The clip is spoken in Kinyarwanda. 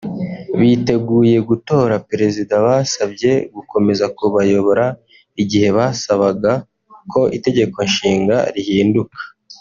Biteguye gutora Perezida basabye gukomeza kubayobora igihe basabaga ko itegeko nshinga rihinduka